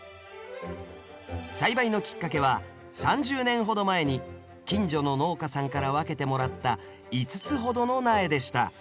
栽培のきっかけは３０年ほど前に近所の農家さんから分けてもらった５つほどの苗でした。